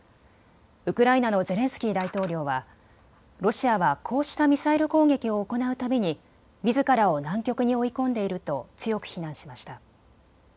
ウクライナのゼレンスキー大統領はロシアはこうしたミサイル攻撃を行うたびにみずからを難局に追い込んでいると強く非難しました。